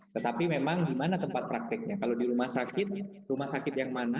tetapi memang di mana tempat prakteknya kalau di rumah sakit rumah sakit yang mana